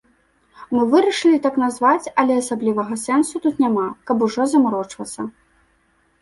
Мы вырашылі так назваць, але асаблівага сэнсу тут няма, каб ужо замарочвацца.